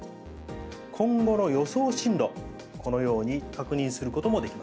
今後の予想進路、このように確認することもできます。